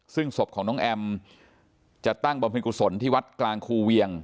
ซึ่งศพของน้องแอมจะตั้งบำเพ็ญกุศลที่วัดกลางคูเวียง